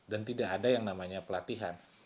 dan tidak ada yang namanya pelatihan